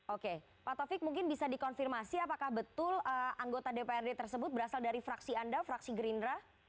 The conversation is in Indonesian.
oke pak taufik mungkin bisa dikonfirmasi apakah betul anggota dprd tersebut berasal dari fraksi anda fraksi gerindra